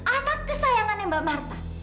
anak kesayangannya mbak marta